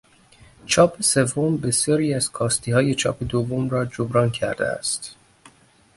چاپ سوم بسیاری از کاستیهای چاپ دوم را جبران کرده است.